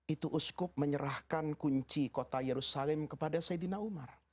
itu uskup menyerahkan kunci kota yerusalem kepada saidina umar